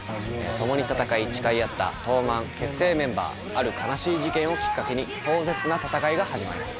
共に戦い誓い合った東卍結成メンバーある悲しい事件をきっかけに壮絶な戦いが始まります。